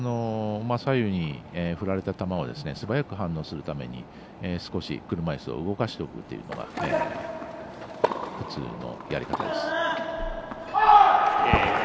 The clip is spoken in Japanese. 左右に振られた球にすばらく反応するために少し車いすを動かしていくというのがやり方です。